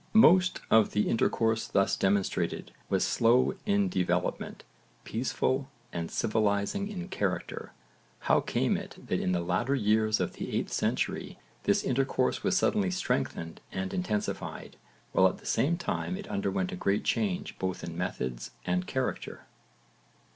Most of the intercourse thus demonstrated was slow in development, peaceful and civilising in character. How came it that in the later years of the 8th century this intercourse was suddenly strengthened and intensified, while at the same time it underwent a great change both in methods and character?